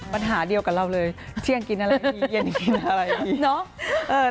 ปัญหาเดียวกับเราเลยเที่ยงกินอะไรดีเย็นกินอะไรดีเนาะ